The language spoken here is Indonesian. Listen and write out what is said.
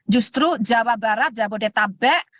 justru jawa barat jabodetabek